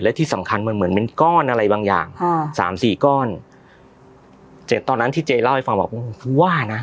และที่สำคัญมันเหมือนเป็นก้อนอะไรบางอย่างค่ะสามสี่ก้อนแต่ตอนนั้นที่เจ๊เล่าให้ฟังบอกโอ้โหผู้ว่านะ